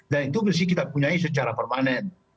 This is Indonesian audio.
dan itu mesti kita punya secara permanen